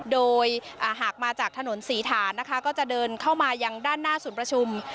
โดยหากมาจากถนนศรีฐานนะคะก็จะเดินเข้ามายังด้านหน้าศูนย์ประชุม